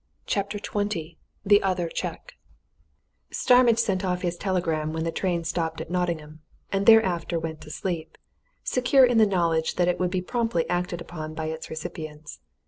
CHAPTER XX THE OTHER CHEQUE Starmidge sent off his telegram when the train stopped at Nottingham, and thereafter went to sleep, secure in the knowledge that it would be promptly acted upon by its recipients.